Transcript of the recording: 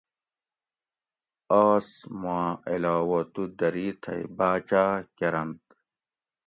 آس ما علاوہ تو دری تھئ باۤچاۤ کۤرنت